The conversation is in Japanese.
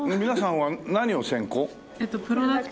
皆さんは何を専攻？